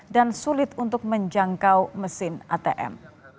dan sulit untuk menjangkau mesin atm